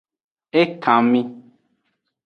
Ekanmi.